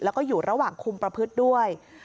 แล้วก็อยู่ระหว่างคุมประพฤติด้วย